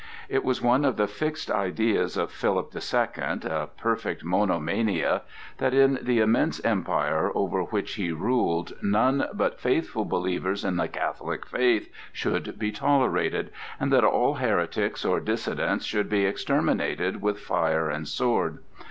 It was one of the fixed ideas of Philip the Second, a perfect monomania, that in the immense empire over which he ruled, none but faithful believers in the Catholic faith should be tolerated, and that all heretics or dissidents should be exterminated with fire and sword.